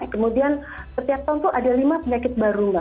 kemudian setiap tahun itu ada lima penyakit baru mbak